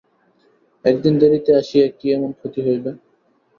একদিন দেরিতে আসিয়া কী এমন ক্ষতি হইল।